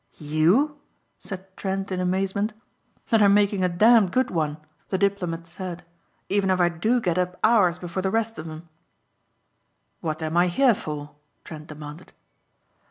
"You!" said Trent in amazement. "And I'm making a damned good one," the diplomat said, "even if I do get up hours before the rest of 'em." "What am I here for?" Trent demanded.